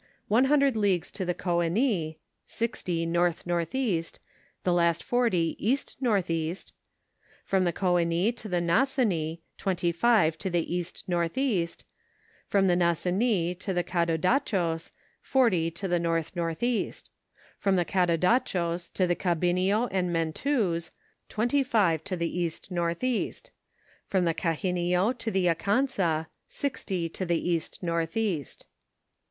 one hundred leagues to the Goenis (sixty north northeast, the last forty east northeast) ; from the Coonis to the Nassonis, twenty five to the east northeast ; from the Nassonis to the Cadodacchos, forty to the north northeast ; from the Cadodacchos to the Oahinnio and Mentous, twenty five to the east northeast; from the Cahinnio to the Akansa, sixty to the east northeast.